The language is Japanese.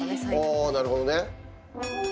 ああなるほどね。